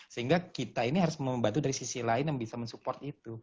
sehingga kita ini harus membantu dari sisi lain yang bisa mensupport itu